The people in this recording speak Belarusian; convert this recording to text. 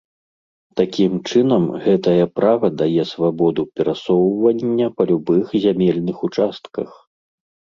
Такім чынам, гэтае права дае свабоду перасоўвання па любых зямельных участках.